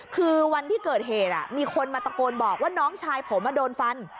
คือวันที่เกิดเหตุมีคนมาตะโกนบอกว่าน้องชายผมโดนฟัน